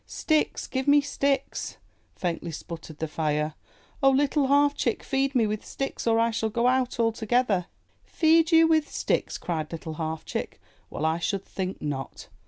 ''Sticks! Give me sticks!" faintly sputtered the Fire. *'0h, Little Half Chick, feed me with sticks or I shall go out altogether!" 'Teed you with sticks!" cried Little Half Chick. "Well, I should think not!